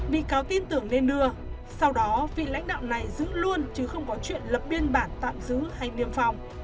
bị cáo tin tưởng nên đưa sau đó vị lãnh đạo này giữ luôn chứ không có chuyện lập biên bản tạm giữ hay tiêm phòng